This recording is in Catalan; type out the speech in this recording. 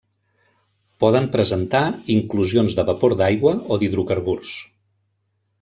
Poden presentar inclusions de vapor d'aigua o d'hidrocarburs.